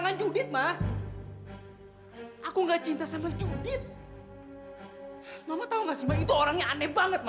bapak duluan yang gue cekek